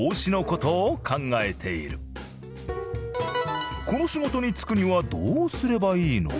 この仕事に就くにはどうすればいいの？